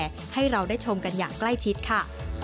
ผ้าโบราณเก่าให้เราได้ชมกันอย่างใกล้ชิดค่ะ